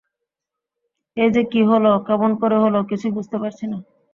এ যে কী হল, কেমন করে হল, কিছুই বুঝতে পারছি নে।